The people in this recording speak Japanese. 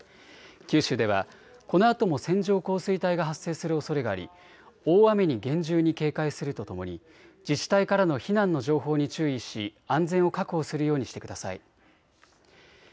九州ではこのあとも線状降水帯が発生するおそれがあり大雨に厳重に警戒するとともに自治体からの避難の情報に注意し安全を確保するようにしてください。